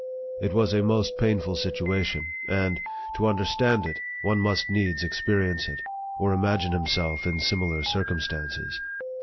It was a most painful situation ; and, to understand it, one must needs experience it, or imagine himself in similar circum stances.